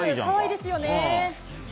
可愛いですよね。